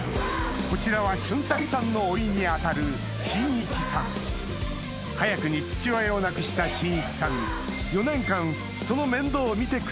こちらは俊策さんのおいに当たる真一さん早くに父親を亡くした真一さん